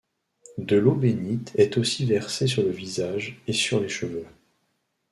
De l'eau bénite est aussi versée sur le visage et sur les cheveux.